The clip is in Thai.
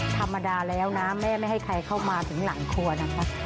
ธรรมดาแล้วนะแม่ไม่ให้ใครเข้ามาถึงหลังครัวนะคะ